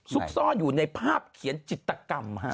ซุกซ่อนอยู่ในภาพเขียนจิตกรรม